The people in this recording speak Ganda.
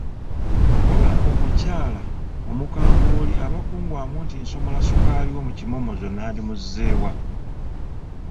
Wabula omukyala omukambwe oli aba kungwamu nti nsomola ssukaali we mu kimomozo nandimuzze wa?